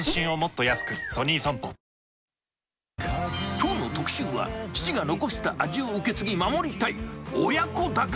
きょうの特集は、父が残した味を受け継ぎ、守りたい。